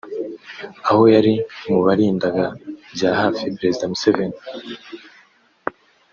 aho yari mu barindaga bya hafi Perezida Museveni